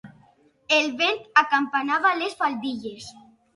El vent acampanava les faldilles.